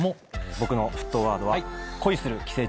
僕の沸騰ワードは『恋する寄生虫』です。